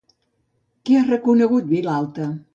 Què ha reconegut Vilalta?